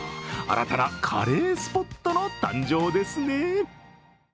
新たなカレースポットの誕生ですね。